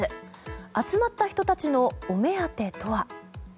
集まった人たちのお目当てとは？